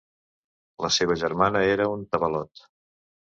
La seva germana era un tabalot.